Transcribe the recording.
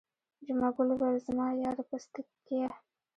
جمعه ګل وویل زما یاره پستکیه.